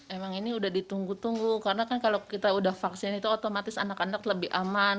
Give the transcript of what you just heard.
emang ini udah ditunggu tunggu karena kan kalau kita udah vaksin itu otomatis anak anak lebih aman